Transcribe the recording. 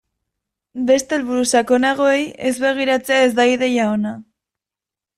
Beste helburu sakonagoei ez begiratzea ez da ideia ona.